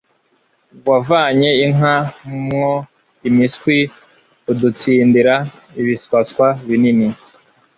Wavanye inka mwo imiswi Udutsindira ibiswaswa binini,